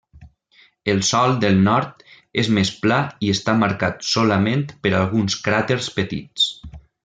El sòl del nord és més pla i està marcat solament per alguns cràters petits.